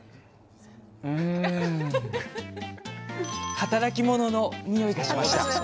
働き者のニオイがしました。